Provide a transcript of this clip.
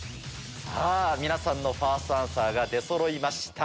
さぁ皆さんのファーストアンサーが出そろいました。